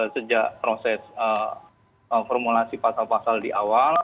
sejak proses formulasi pasal pasal di awal